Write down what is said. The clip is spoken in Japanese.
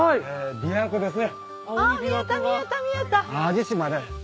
琵琶湖でね